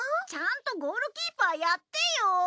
ちゃんとゴールキーパーやってよ！